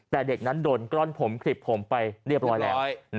แต่เด็กนั้นโดนกล้อนผมขลิบผมไปเรียบร้อยแล้ว